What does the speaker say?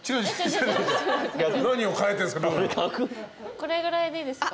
これぐらいでいいですか？